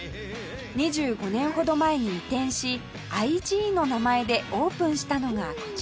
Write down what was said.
２５年ほど前に移転し Ｉ．Ｇ の名前でオープンしたのがこちら